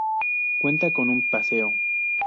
Cuenta con un paseo.